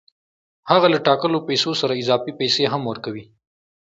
هغه له ټاکلو پیسو سره اضافي پیسې هم ورکوي